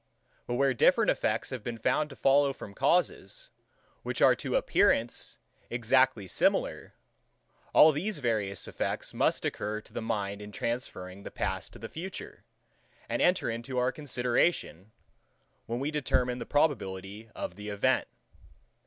But where different effects have been found to follow from causes, which are to appearance exactly similar, all these various effects must occur to the mind in transferring the past to the future, and enter into our consideration, when we determine the probability of the event.